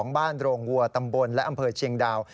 บ้านโรงวัวตำบลและอำเภอเชียงดาว